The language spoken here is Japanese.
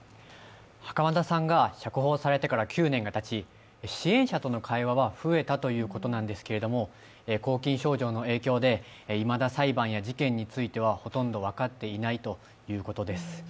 袴田さんが釈放されてから９年がたち支援者との会話は増えたということなんですけれども、拘禁症状の影響でいまだ裁判や事件についてはほとんど分かっていないということです。